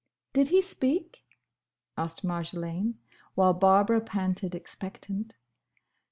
"Did he speak?" asked Marjolaine, while Barbara panted expectant.